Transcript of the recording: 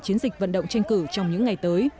chiến dịch vận động tranh cử trong những ngày tới